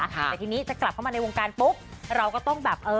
แต่ที่นี่กลับเข้ามาในวงกาลปุ๊บเราก็ต้อง